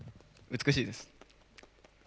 美しいです。